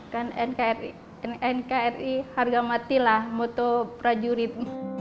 kan nkri harga matilah moto prajurit